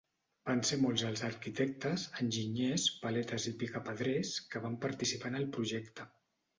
Van ser molts els arquitectes, enginyers, paletes i picapedrers que van participar en el projecte.